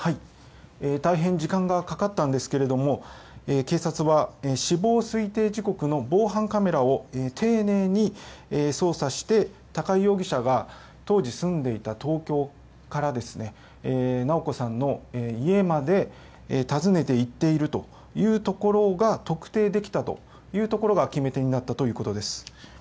大変時間がかかったんですけど警察は死亡推定時刻の防犯カメラを丁寧に捜査して高井容疑者が当時住んでいた東京から直子さんの家まで訪ねて行っているというところが特定できたというところが決め手になったということです。